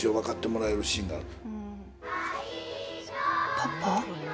パパ？